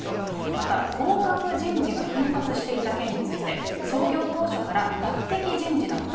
また、降格人事が頻発していた件について、創業当初から抜てき人事だった。